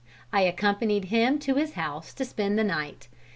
I accompanied him to his house to spend the night.